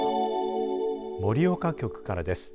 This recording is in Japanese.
盛岡局からです。